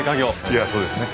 いやそうですね。